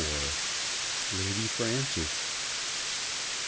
LADY FRANCES.